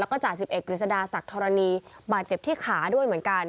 แล้วก็จ่าสิบเอกกฤษฎาศักดิธรณีบาดเจ็บที่ขาด้วยเหมือนกัน